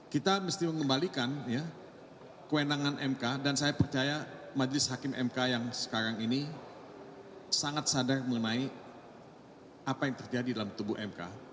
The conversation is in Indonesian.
kita mesti mengembalikan kewenangan mk dan saya percaya majelis hakim mk yang sekarang ini sangat sadar mengenai apa yang terjadi dalam tubuh mk